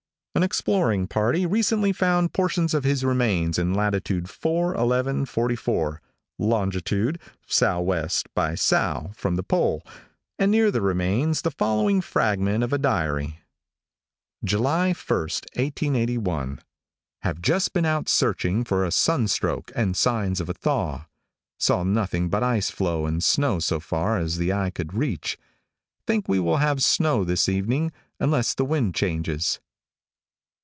An exploring party recently found portions of his remains in latitude 4 11 44, longitude sou'est by sou' from the pole, and near the remains the following fragment of a diary: July 1,1881. Have just been out searching for a sunstroke and signs of a thaw. Saw nothing but ice floe and snow as far as the eye could reach. Think we will have snow this evening unless the wind changes.